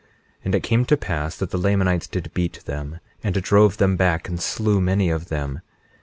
21:8 And it came to pass that the Lamanites did beat them, and drove them back, and slew many of them.